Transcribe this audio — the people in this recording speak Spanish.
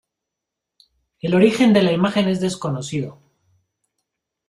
El origen de la imagen es desconocido.